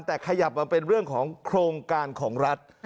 แต่ขยับมาเป็นเรื่องของโครงการของรัฐ